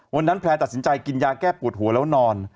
วันนั้นแพรตัดสินใจกินยาแก้ปูฎหัวแล้วนอน